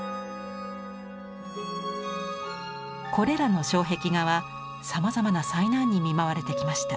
これらの障壁画はさまざまな災難に見舞われてきました。